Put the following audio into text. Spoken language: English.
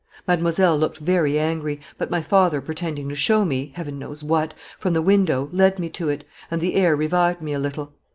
Mademoiselle looked very angry, but my father pretending to show me, heaven knows what, from the window, led me to it, and the air revived me a little.